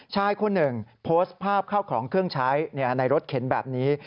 ชายคนหนึ่งโพสต์ภาพข้าวของเครื่องใช้ในรถเข็นแบบนี้